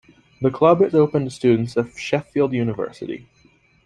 The club is open to students of Sheffield University.